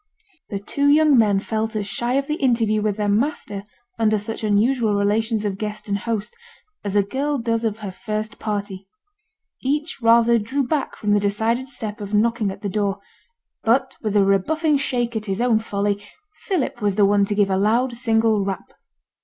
The two young men felt as shy of the interview with their master under such unusual relations of guest and host, as a girl does of her first party. Each rather drew back from the decided step of knocking at the door; but with a rebuffing shake at his own folly, Philip was the one to give a loud single rap.